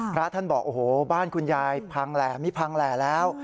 พระท่านบอกโอ้โหบ้านคุณยายพังแหล่มีพังแหล่แล้ว